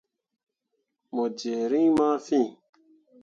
Mo jerre rĩĩ ma fîi.